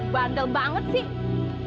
bandel banget sih